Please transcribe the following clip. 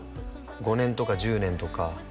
「５年とか１０年とか」